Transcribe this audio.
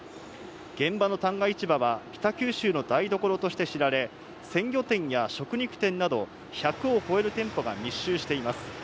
現場の旦過市場は北九州の台所として知られ、鮮魚店や食肉店など１００を超える店舗が密集しています。